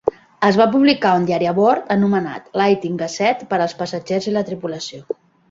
Es va publicar un diari a bord, anomenat "Lightning Gazette", per als passatgers i la tripulació.